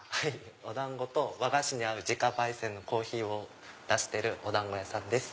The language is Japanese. お団子と和菓子に合う自家焙煎のコーヒーを出してるお団子屋さんです。